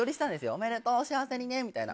おめでとう幸せにねみたいな。